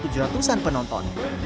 tujuh ratus an penonton